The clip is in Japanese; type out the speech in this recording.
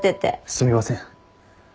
すみません。